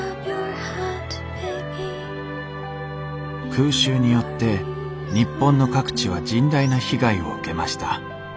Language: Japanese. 空襲によって日本の各地は甚大な被害を受けました。